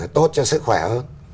tốt cho sức khỏe hơn